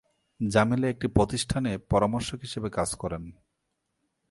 জামিলা একটি প্রতিষ্ঠানে পরামর্শক হিসেবে কাজ করেন।